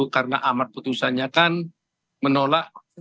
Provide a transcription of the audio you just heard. karena amat putusannya kan menolak